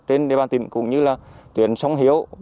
trên địa bàn tỉnh cũng như là tuyển sống